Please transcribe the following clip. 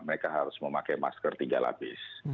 mereka harus memakai masker tiga lapis